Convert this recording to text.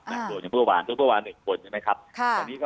นะฮะหล่วงจากเมื่อวานเพื่อเมื่อวาน๑คนใช่ไหมครับโอเค